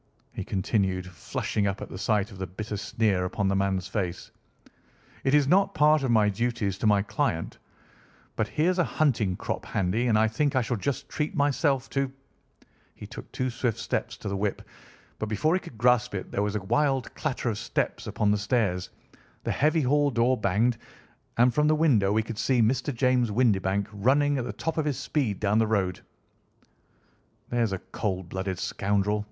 he continued, flushing up at the sight of the bitter sneer upon the man's face, "it is not part of my duties to my client, but here's a hunting crop handy, and I think I shall just treat myself to—" He took two swift steps to the whip, but before he could grasp it there was a wild clatter of steps upon the stairs, the heavy hall door banged, and from the window we could see Mr. James Windibank running at the top of his speed down the road. "There's a cold blooded scoundrel!"